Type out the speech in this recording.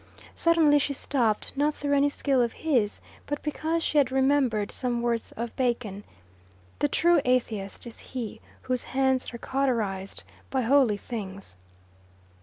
Suddenly she stopped, not through any skill of his, but because she had remembered some words of Bacon: "The true atheist is he whose hands are cauterized by holy things."